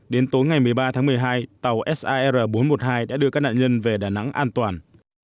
đến tối ngày một mươi ba tháng một mươi hai tàu sar bốn trăm một mươi hai đã đưa các nạn nhân về đà nẵng an toàn